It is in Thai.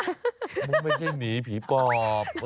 โอ๊ะมาไม่ใช่หนีผีปลอบ